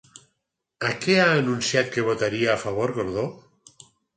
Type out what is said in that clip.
A què ha anunciat que votaria a favor Gordó?